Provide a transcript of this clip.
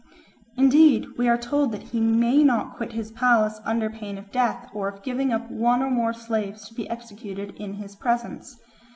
Indeed we are told that he may not quit his palace under pain of death or of giving up one or more slaves to be executed in his presence.